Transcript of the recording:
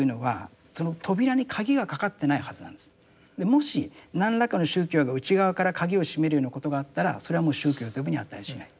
もし何らかの宗教が内側から鍵をしめるようなことがあったらそれはもう宗教と呼ぶに値しない。